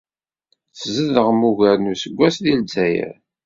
Tzedɣem ugar n useggas deg Ldzayer.